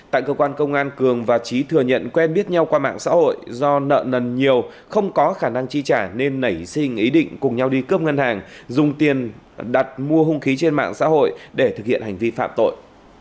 tại cơ quan công an cường và trí thừa nhận quen biết nhau qua mạng xã hội do nợ nần nhiều không có khả năng chi trả nên nảy sinh ý định cùng nhau đi cướp ngân hàng dùng tiền đặt mua hung khí trên mạng xã hội để thực hiện hành vi phạm tội